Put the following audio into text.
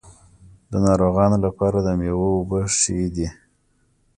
د ناروغانو لپاره د میوو اوبه ښې دي.